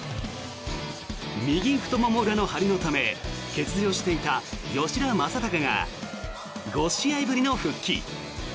右太もも裏の張りのため欠場していた吉田正尚が５試合ぶりの復帰。